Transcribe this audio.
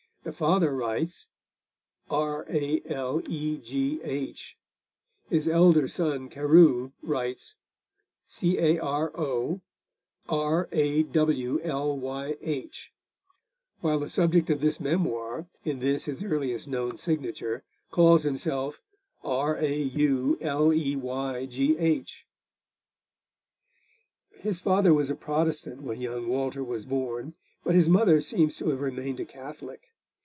The father writes 'Ralegh,' his elder son Carew writes 'Caro Rawlyh,' while the subject of this memoir, in this his earliest known signature, calls himself 'Rauleygh.' His father was a Protestant when young Walter was born, but his mother seems to have remained a Catholic.